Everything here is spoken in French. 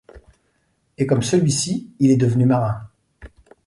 Et, comme celui-ci, il est devenu marin.